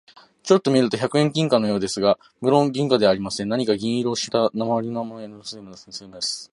ちょっと見ると百円銀貨のようですが、むろん銀貨ではありません。何か銀色をした鉛製なまりせいのメダルのようなものです。